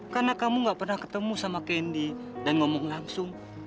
karena kamu enggak pernah ketemu sama kendi dan ngomong langsung